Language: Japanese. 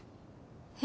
え。